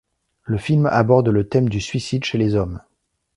Le film aborde le thème du suicide chez les hommes.